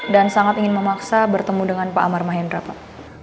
dan sangat ingin memaksa bertemu dengan pak amar mahendra pak